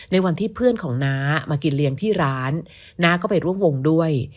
ในวันที่เพื่อนของน้ามากินเลี้ยงที่ร้านน้าก็ไปร่วมวงด้วย